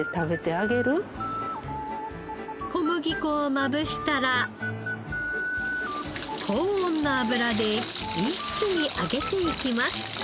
小麦粉をまぶしたら高温の油で一気に揚げていきます。